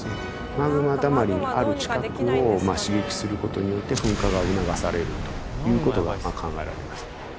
マグマだまりがある近くを刺激する事によって噴火が促されるという事が考えられます。